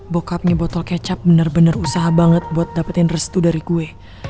bokapnya botol kecap bener bener usaha banget buat dapetin restu dari kue